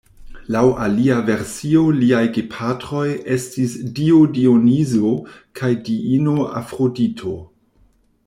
Laŭ alia versio liaj gepatroj estis dio Dionizo kaj diino Afrodito.